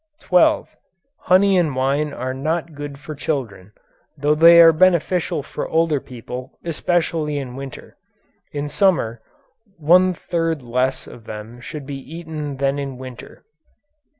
12. Honey and wine are not good for children, though they are beneficial for older people, especially in winter. In summer one third less of them should be eaten than in winter.